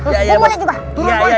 gue mau lihat juga